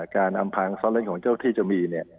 การอำพางซอสเรนของเจ้าที่จะมี